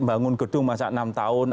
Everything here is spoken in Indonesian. bangun gedung masa enam tahun